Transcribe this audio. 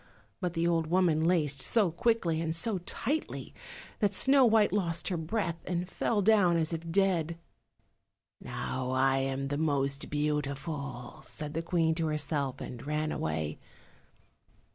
But the old woman laced so quickly and so tightly that Snow white lost her breath and fell down as if dead. "Now I am the most beautiful," said the Queen to herself, and ran away.